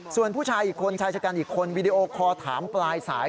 ส่วนผู้ชายอีกคนชายชะกันอีกคนวีดีโอคอร์ถามปลายสาย